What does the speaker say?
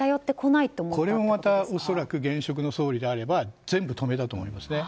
これもまた恐らく現職の総理であれば全部止めたと思いますね。